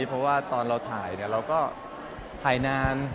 เพราะว่าตอนเราถ่ายเราก็ถ่ายนาน